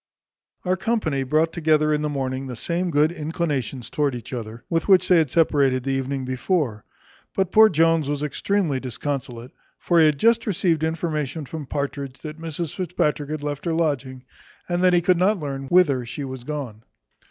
Our company brought together in the morning the same good inclinations towards each other, with which they had separated the evening before; but poor Jones was extremely disconsolate; for he had just received information from Partridge, that Mrs Fitzpatrick had left her lodging, and that he could not learn whither she was gone.